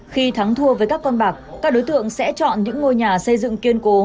khi thắng thua với các con bạc các đối tượng sẽ chọn những ngôi nhà xây dựng kiên cố